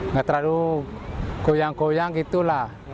nggak terlalu goyang goyang gitu lah